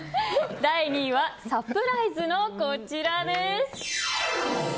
第２位は、サプライズのこちら。